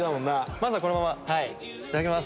まずはこのままいただきます